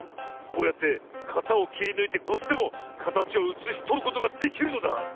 こうやってかたをきりぬいてこすってもかたちをうつしとることができるのだ。